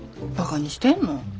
ばかにしてんの？